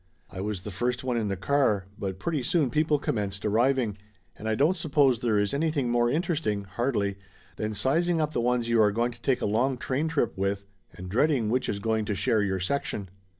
I was the first one in the car, but pretty soon people commenced arriving, and I don't suppose there is any thing more interesting, hardly, than sizing up the ones you are going to take a long train trip with, and dread ing which is going to share your section.